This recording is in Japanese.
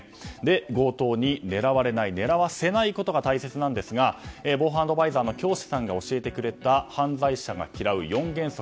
強盗に狙われない狙わせないことが大切なんですが防犯アドバイザーの京師さんが教えてくれた犯罪者が嫌う４原則。